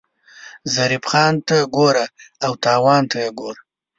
ظریف خان ته ګوره او تاوان ته یې ګوره.